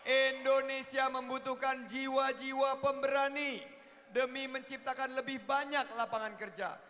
indonesia membutuhkan jiwa jiwa pemberani demi menciptakan lebih banyak lapangan kerja